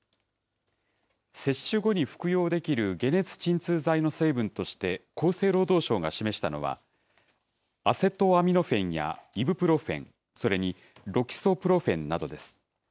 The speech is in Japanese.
接種後に服用できる解熱鎮痛剤の成分として厚生労働省が示したのは、アセトアミノフェンやイブプロフェン、それにロキソプロフェンなどです。